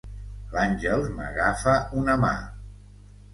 L'Àngels m'agafa una mà.